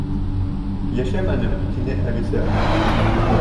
—Йәшәмәнем, —тине Әлисә.